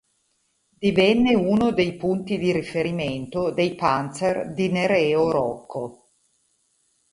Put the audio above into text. Divenne uno dei punti di riferimento dei "panzer" di Nereo Rocco.